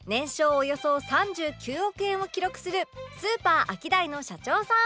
およそ３９億円を記録するスーパーアキダイの社長さん